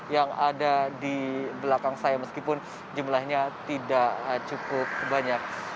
yang ada di belakang saya meskipun jumlahnya tidak cukup banyak